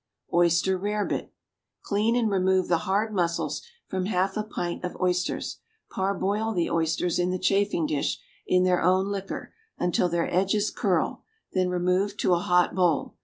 =Oyster Rarebit.= Clean and remove the hard muscles from half a pint of oysters; parboil the oysters in the chafing dish in their own liquor until their edges curl, then remove to a hot bowl.